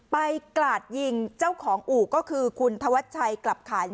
กราดยิงเจ้าของอู่ก็คือคุณธวัชชัยกลับขัน